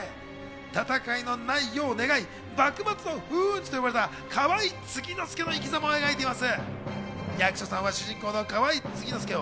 戦いのない世で願い、幕末の風雲児と呼ばれた河井継之助の生き様を描いています。